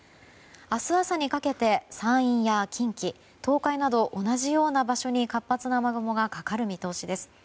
明日朝にかけて山陰や近畿、東海など同じような場所に活発な雨雲がかかる見通しです。